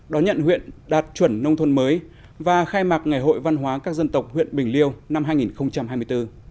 đón nhận huyện đạt chuẩn nông thôn mới và khai mạc ngày hội văn hóa các dân tộc huyện bình liêu năm hai nghìn hai mươi bốn